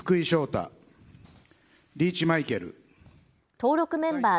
登録メンバー